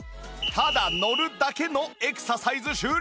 ただ乗るだけのエクササイズ終了！